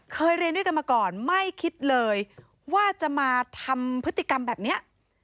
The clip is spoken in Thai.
เรียนด้วยกันมาก่อนไม่คิดเลยว่าจะมาทำพฤติกรรมแบบนี้